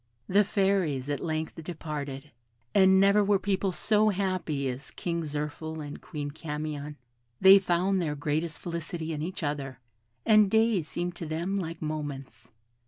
The Fairies at length departed, and never were people so happy as King Zirphil and Queen Camion. They found their greatest felicity in each other: and days seemed to them like moments.